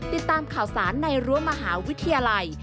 ติดตามข่าวสารในรั้วมหาวิทยาลัย